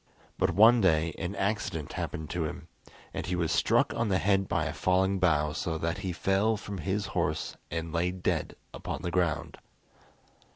But one day an accident happened to him, and he was struck on the head by a falling bough, so that he fell from his horse and lay dead upon the ground.